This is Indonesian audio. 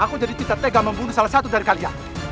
aku jadi tidak tega membunuh salah satu dari kalian